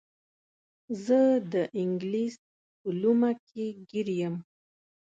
زه د انګلیس په لومه کې ګیر یم.